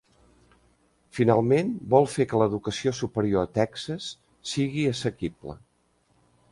Finalment, vol fer que l'educació superior a Texas sigui assequible.